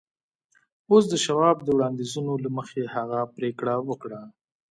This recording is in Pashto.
اوس د شواب د وړانديزونو له مخې هغه پرېکړه وکړه.